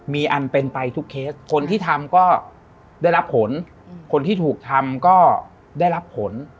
มีอันเป็นไปทุกเคสคนที่ทำก็ได้รับผลคนที่ถูกทำก็ได้รับผล